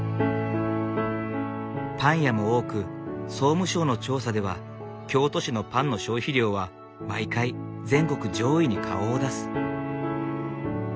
パン屋も多く総務省の調査では京都市のパンの消費量は毎回全国上位に顔を出す。